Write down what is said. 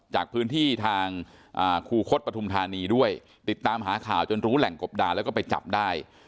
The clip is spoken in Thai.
จากพื้นที่ทางคูคศปฐุมธานีด้วยติดตามหาข่าวจนรู้แหล่งกบดานแล้วก็ไปจับได้